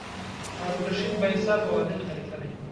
هارون الرشید با انصافه او عادل خلیفه دی.